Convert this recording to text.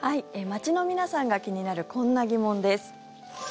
街の皆さんが気になるこんな疑問です。